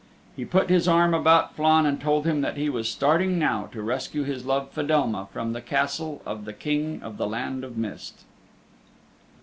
He put his arm about Flann and told him that he was starting now to rescue his love Fedelma from the Castle of the King of the Land of Mist.